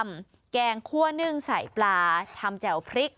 ต้มยำแกงคั่วนึ่งใส่ปลาทำแจวพริก